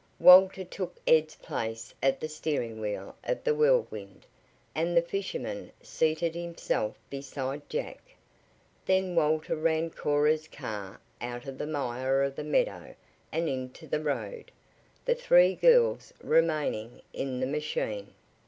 Walter took Ed's place at the steering wheel of the Whirlwind, and the fisherman seated himself beside Jack. Then Walter ran Cora's car out of the mire of the meadow and into the road, the three girls remaining in the machine.